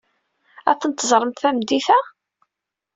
Ad tent-teẓremt tameddit-a.